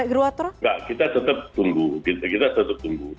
enggak kita tetap tunggu kita tetap tunggu